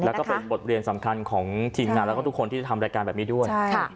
แล้วก็เป็นบทเรียนสำคัญของทีมงานแล้วก็ทุกคนที่จะทำรายการแบบนี้ด้วย